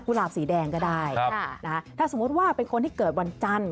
หลาบสีแดงก็ได้ถ้าสมมุติว่าเป็นคนที่เกิดวันจันทร์